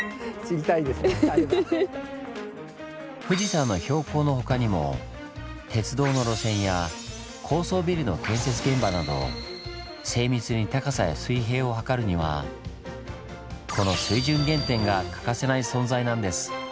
富士山の標高の他にも鉄道の路線や高層ビルの建設現場など精密に高さや水平を測るにはこの水準原点が欠かせない存在なんです。